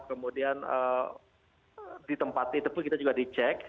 kemudian ditempati tapi kita juga dicek